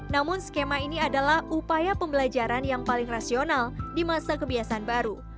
namun skema ini adalah upaya pembelajaran yang paling rasional di masa kebiasaan baru